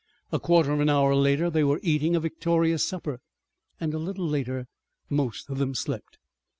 A quarter of an hour later they were eating a victorious supper, and a little later most of them slept.